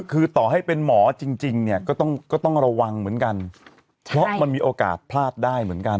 คือต่อให้เป็นหมอจริงเนี่ยก็ต้องก็ต้องระวังเหมือนกันเพราะมันมีโอกาสพลาดได้เหมือนกัน